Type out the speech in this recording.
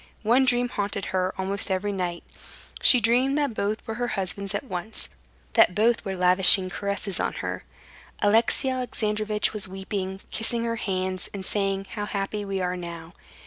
One dream haunted her almost every night. She dreamed that both were her husbands at once, that both were lavishing caresses on her. Alexey Alexandrovitch was weeping, kissing her hands, and saying, "How happy we are now!"